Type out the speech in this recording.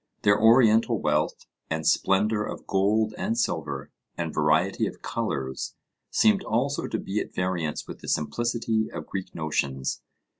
Their Oriental wealth, and splendour of gold and silver, and variety of colours, seemed also to be at variance with the simplicity of Greek notions.